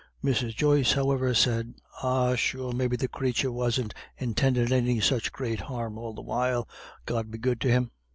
Mrs. Joyce, however, said: "Ah, sure maybe the crathur wasn't intindin' any such great harm all the while, God be good to him.